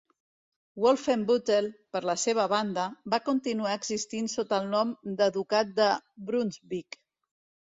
Wolfenbüttel, per la seua banda, va continuar existint sota el nom de Ducat de Brunsvic.